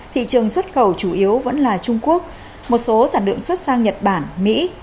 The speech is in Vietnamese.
thị trường xuất khẩu chủ yếu vẫn là trung quốc một số sản lượng xuất sang nhật bản mỹ